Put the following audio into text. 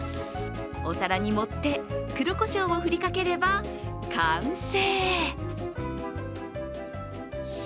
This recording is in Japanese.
お皿に持って、黒こしょうを振りかければ、完成。